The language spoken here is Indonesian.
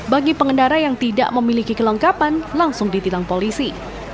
bagi pengendara yang tidak memiliki kelengkapan langsung ditilang polisi